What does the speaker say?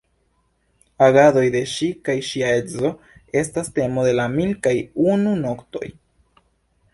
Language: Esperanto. Agadoj de ŝi kaj ŝia edzo estas temo de la "Mil kaj unu noktoj".